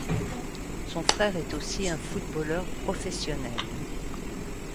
Son frère est aussi un footballeur professionnel.